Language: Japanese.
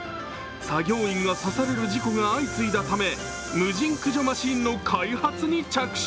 作業員が刺される事故が相次いだため無人駆除マシーンの開発に着手。